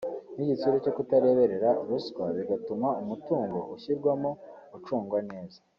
ni igitsure cyo kutareberera ruswa bigatuma umutungo ushyirwamo ucungwa neza